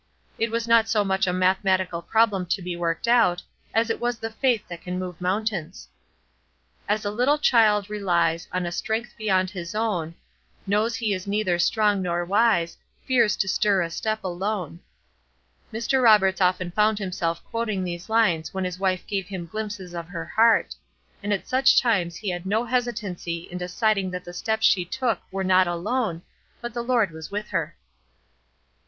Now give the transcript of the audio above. It was not so much a mathematical problem to be worked out, as it was the faith that can remove mountains. "As a little child relies On a strength beyond his own: Knows he is neither strong nor wise, Fears to stir a step alone " Mr. Roberts often found himself quoting these lines when his wife gave him glimpses of her heart; and at such times he had no hesitancy in deciding that the steps she took were not alone, but the Lord was with her.